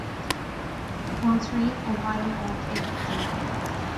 Tá an traein ó Bhaile Átha Cliath déanach.